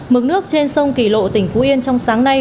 mực nước trên sông kỳ lộ tỉnh phú yên trong sáng nay